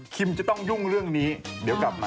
จะต้องยุ่งเรื่องนี้เดี๋ยวกลับมา